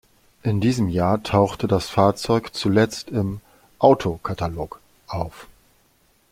In diesem Jahr tauchte das Fahrzeug zuletzt im "Auto Katalog" auf.